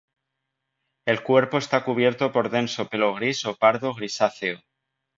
El cuerpo está cubierto por denso pelo gris o pardo grisáceo.